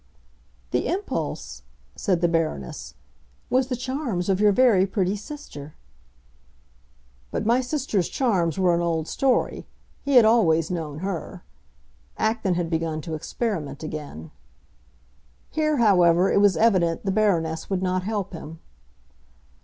"The impulse," said the Baroness, "was the charms of your very pretty sister." "But my sister's charms were an old story; he had always known her." Acton had begun to experiment again. Here, however, it was evident the Baroness would not help him.